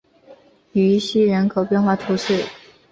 于西人口变化图示